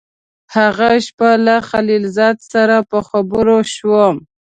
هغه شپه له خلیل زاده سره په خبرو شوم.